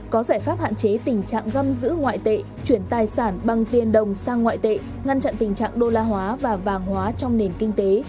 có giải pháp hạn chế tình trạng găm giữ ngoại tệ chuyển tài sản bằng tiền đồng sang ngoại tệ ngăn chặn tình trạng đô la hóa và vàng hóa trong nền kinh tế